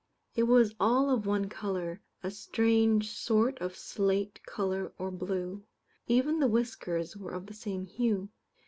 It was all of one colour a strange sort of slate colour or blue: even the whiskers were of the same hue.